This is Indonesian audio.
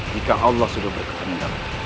jika allah sudah berkembang